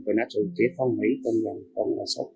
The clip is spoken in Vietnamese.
và nó truyền thông mỹ công dân